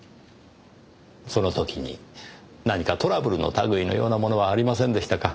その時に何かトラブルの類いのようなものはありませんでしたか？